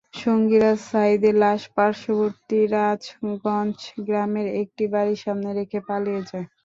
সঙ্গীরা সাঈদের লাশ পার্শ্ববর্তী রাজগঞ্জ গ্রামের একটি বাড়ির সামনে রেখে পালিয়ে যায়।